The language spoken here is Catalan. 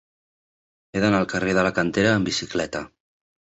He d'anar al carrer de la Cantera amb bicicleta.